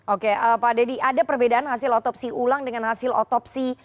oke pak dedy ada perbedaan hasil otopsi ulang dengan hasil otopsi